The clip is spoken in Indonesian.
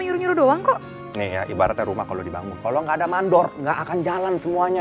nyuruh doang kok ibaratnya rumah kalau dibangun kalau enggak ada mandor nggak akan jalan semuanya